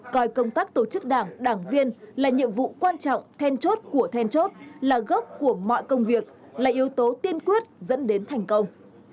coi công tác tổ chức đảng đảng viên là nhiệm vụ quan trọng then chốt của then chốt là gốc của mọi công việc là yếu tố tiên quyết dẫn đến thành công